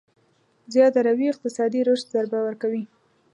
زياده روي اقتصادي رشد ضربه ورکوي.